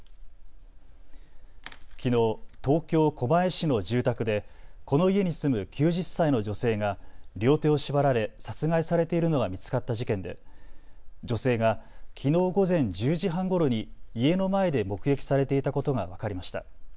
きのう、東京狛江市の住宅でこの家に住む９０歳の女性が両手を縛られ殺害されているのが見つかった事件で女性がきのう午前１０時半ごろに家の前で目撃されていたことが分かりました。